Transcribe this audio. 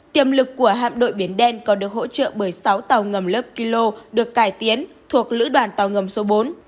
tiềm lực của hạm đội biển đen còn được hỗ trợ bởi sáu tàu ngầm lớp kilo được cải tiến thuộc lữ đoàn tàu ngầm số bốn